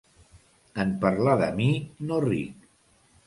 En parlar de mi, no ric.